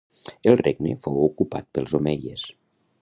El regne fou ocupat pels omeies.